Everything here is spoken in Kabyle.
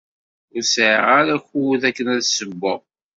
Ur sɛiɣ ara akud akken ad ssewweɣ.